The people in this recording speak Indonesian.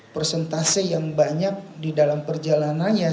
persentase yang banyak di dalam perjalanannya